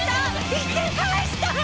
１点返した！